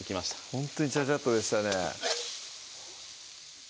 ほんとにちゃちゃっとでしたね